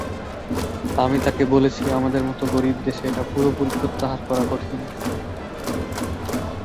আমি তাঁকে বলেছি আমাদের মতো গরিব দেশে এটা পুরোপুরি প্রত্যাহার করা কঠিন।